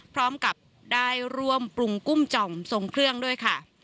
พร้อมกับได้ร่วมปรุงกุ้งจ่อมทรงเครื่องด้วยค่ะ